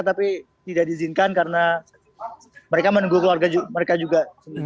tapi tidak diizinkan karena mereka menunggu keluarga mereka juga